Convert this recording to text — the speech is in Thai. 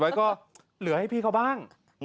ไว้ก็เหลือให้พี่เขาบ้าง